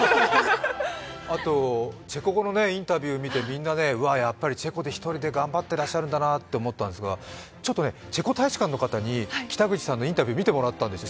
あとチェコ語のインタビューを見てみんな、チェコで１人で頑張ってらっしゃるんだなって思ったんですが、チェコ大使館の方に北口さんのインタビュー見てもらったんですよ